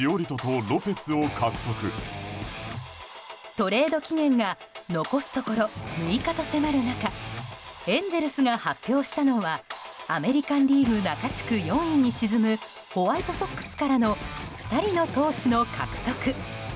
トレード期限が残すところ６日と迫る中エンゼルスが発表したのはアメリカン・リーグ中地区４位に沈むホワイトソックスからの２人の投手の獲得。